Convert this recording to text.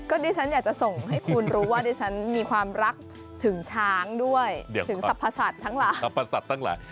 ก็ดิฉันอยากจะส่งให้คุณรู้ว่าดิฉันมีความรักถึงช้างด้วยถึงสรรพสัตว์ทั้งหลาย